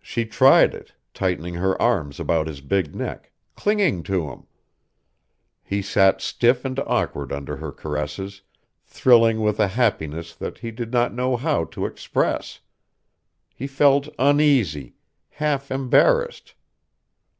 She tried it, tightening her arms about his big neck, clinging to him.... He sat stiff and awkward under her caresses, thrilling with a happiness that he did not know how to express. He felt uneasy, half embarrassed.